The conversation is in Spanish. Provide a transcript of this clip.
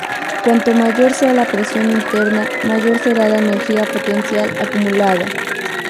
Cuanto mayor sea la presión interna mayor será la energía potencial acumulada.